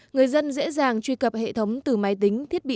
người dân dễ dàng truy cập hệ thống từ máy tính thiết bị